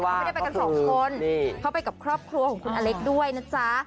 เขาไม่ได้ไปกันสองคนเขาไปกับครอบครัวของคุณอเล็กด้วยนะจ๊ะ